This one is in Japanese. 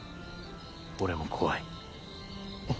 俺も怖い。